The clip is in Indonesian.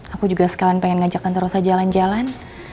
aku juga sekalian pengen ngajak tante rosa jalan jalan